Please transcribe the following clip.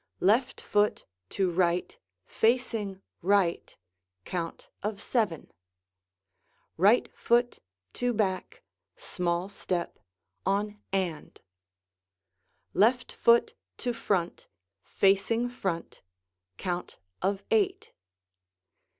Left foot to right facing right, count of "seven"; right foot to back, small step on "and." Left foot to front facing front, count of "eight."